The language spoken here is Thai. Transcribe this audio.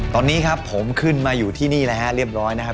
ตอนนี้ครับผมขึ้นมาอยู่ที่นี่แล้วฮะเรียบร้อยนะครับ